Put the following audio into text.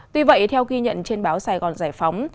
tuy vậy theo ghi nhận trên báo sài gòn giải phóng